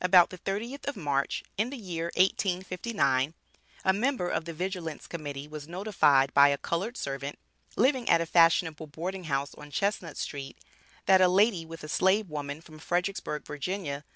About the 30th of March, in the year 1859, a member of the Vigilance Committee was notified by a colored servant, living at a fashionable boarding house on Chestnut street that a lady with a slave woman from Fredericksburg, Va.